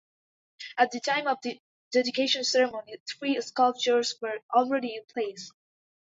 At the time of the dedication ceremony, three sculptures were already in place.